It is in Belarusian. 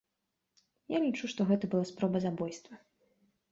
Я лічу, што гэта была спроба забойства.